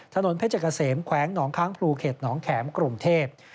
ถนนเพชรเกษมแขวงหนองค้างพลูเขตหนองแข็มกรุงเทพ